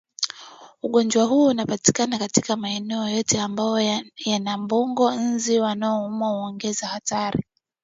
Ugonjwa huu unapatikana katika maeneo yote ambayo yana mbung'o Nzi wanaouma huongeza hatari